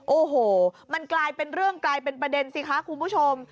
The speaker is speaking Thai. โอ้โหมันกลายเป็นเรื่องกลายเป็นประเด็นสิคะคุณผู้ชม